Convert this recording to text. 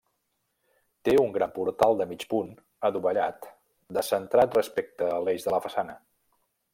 Té un gran portal de mig punt adovellat descentrat respecte a l'eix de la façana.